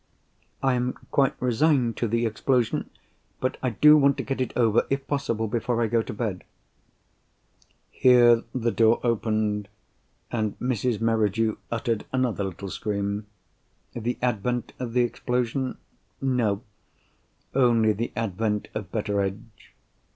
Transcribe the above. I am quite resigned to the explosion—but I do want to get it over, if possible, before I go to bed." Here the door opened, and Mrs. Merridew uttered another little scream. The advent of the explosion? No: only the advent of Betteredge.